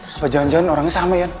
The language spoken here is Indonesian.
terus tiba tiba orangnya sama yan